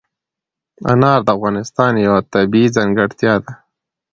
انار د افغانستان یوه طبیعي ځانګړتیا ده.